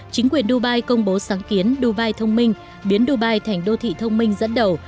chính quyền dubai công bố sáng kiến dubai thông minh biến dubai thành đô thị thông minh dẫn đầu